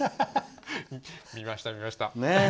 見ました、見ました。